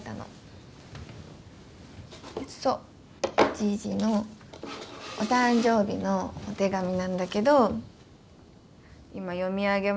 じいじのお誕生日のお手紙なんだけど今読み上げましょうか？